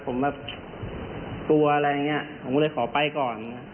หรือว่าอะไรอย่างนี้ผมเลยขอไปก่อน